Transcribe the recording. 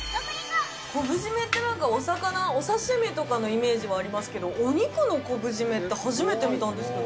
昆布締めって、なんかお魚お刺身とかのイメージもありますけどお肉の昆布締めって初めて見たんですけど。